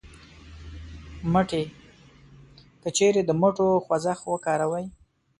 مټې : که چېرې د مټو خوځښت وکاروئ